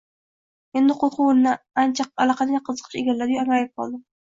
Endi qo‘rquv o‘rnini allaqanday qiziqish egalladiyu angrayib qoldim.